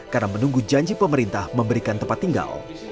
karena menunggu janji pemerintah memberikan tempat tinggal